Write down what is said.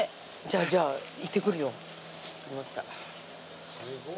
じゃ行ってくるよ。